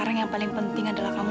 nggak ada dewi